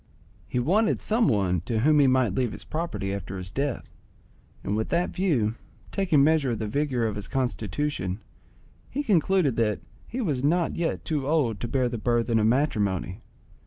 He wanted some one to whom he might leave his property after his death, and with that view, taking measure of the vigour of his constitution, he concluded that he was not yet too old to bear the burthen of matrimony.